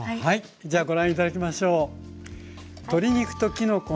じゃあご覧頂きましょう。